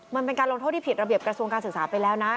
มันเป็นการลงโทษที่ผิดระเบียบกระทรวงการศึกษาไปแล้วนะ